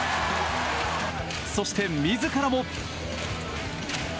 そして、自らも。